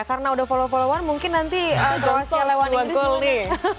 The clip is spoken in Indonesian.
karena udah follow followan mungkin nanti kruasia lawan inggris